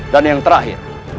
dan yang terakhir